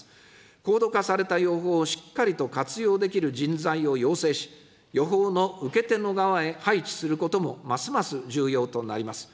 高度化された予報をしっかりと活用できる人材を養成し、予報の受け手の側へ配置することもますます重要となります。